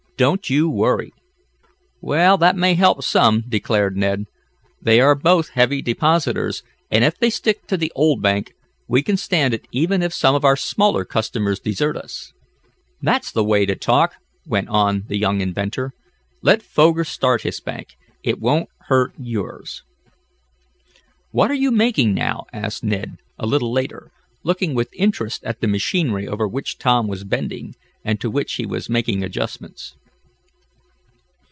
Don't you worry." "Well, that will help some," declared Ned. "They are both heavy depositors, and if they stick to the old bank we can stand it even if some of our smaller customers desert us." "That's the way to talk," went on the young inventor. "Let Foger start his bank. It won't hurt yours." "What are you making now?" asked Ned, a little later, looking with interest at the machinery over which Tom was bending, and to which he was making adjustments.